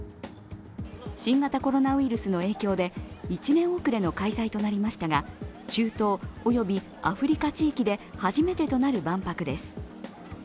新型コロナウイルスの影響で１年遅れの開催となりましたが中東およびアフリカ地域で初めてとなる万博です。